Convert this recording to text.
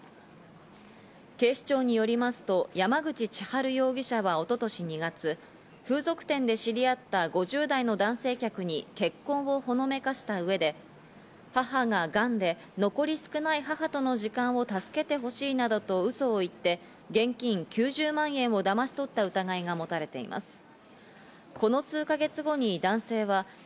警視庁によりますと山口千春容疑者は一昨年２月、風俗店で知り合った５０代の男性客に結婚をほのめかした上で、母ががんで残り少ない母との時間を助けてほしいなどとウソを言って現金９０万円をだまし取った疑いが持たれています。